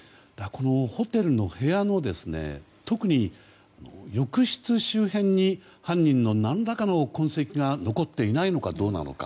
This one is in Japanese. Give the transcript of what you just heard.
ホテルの部屋の特に浴室周辺に犯人の何らかの痕跡が残っていないのかどうなのか。